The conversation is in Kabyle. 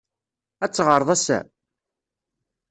Ad teɣṛeḍ ass-a?